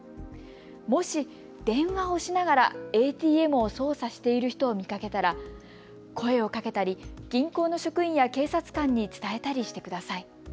もし電話をしながらＡＴＭを操作している人を見かけたら声をかけたり銀行の職員や警察官に伝えたりしてください。